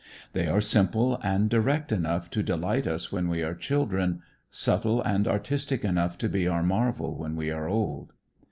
They are simple and direct enough to delight us when we are children, subtle and artistic enough to be our marvel when we are old.